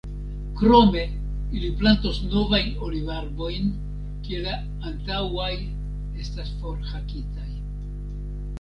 Krome ili plantos novajn olivarbojn, kie la antaŭaj estas forhakitaj.